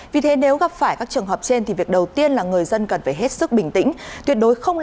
vì thế nếu gặp phải các trường hợp trên thì việc đầu tiên là người dân cần phải hết sức bình tĩnh